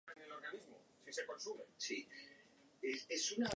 Gaztetan ikasi zuen euskara, eta euskaraz bizi da ordutik.